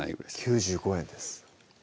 ９５円です